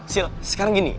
sil sekarang gini